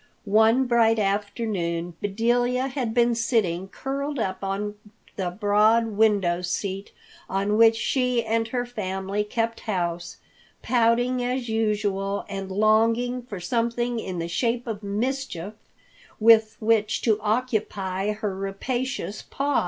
One bright afternoon Bedelia had been sitting curled up on the broad window seat on which she and her family kept house, pouting as usual and longing for something in the shape of mischief with which to occupy her rapacious paws.